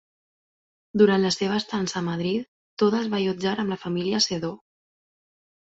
Durant la seva estança a Madrid Toda es va allotjar amb la família Sedó.